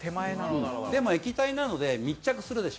でも液体なので密着するでしょ。